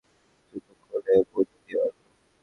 জুতো খুলে মুজো দিয়ে মারব!